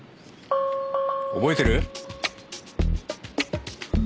覚えてる？